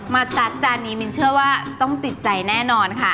ซัดจานนี้มินเชื่อว่าต้องติดใจแน่นอนค่ะ